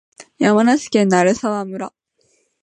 山梨県鳴沢村